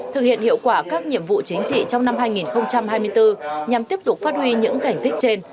thực hiện hiệu quả các nhiệm vụ chính trị trong năm hai nghìn hai mươi bốn nhằm tiếp tục phát huy những thành tích trên